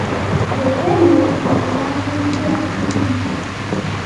jepémo naiñembyahýi